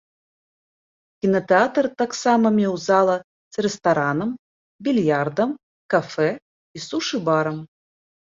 Кінатэатр таксама меў зала з рэстаранам, більярдам, кафэ і сушы-барам.